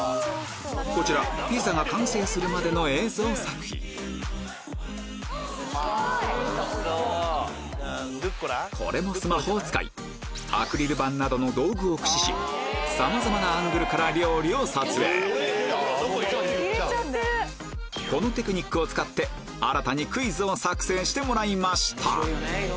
こちらピザが完成するまでの映像作品これもスマホを使いアクリル板などの道具を駆使しさまざまなアングルから料理を撮影このテクニックを使って新たにクイズを作成してもらいました